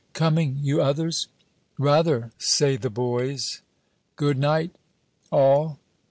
Coming, you others?' "'Rather,' say the boys. 'Good night all.'